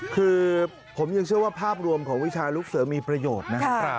คือผมยังเชื่อว่าภาพรวมของวิชาลูกเสือมีประโยชน์นะครับ